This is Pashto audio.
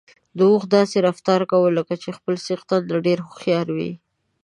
اوښ داسې رفتار کاوه لکه چې د خپل څښتن نه ډېر هوښيار وي.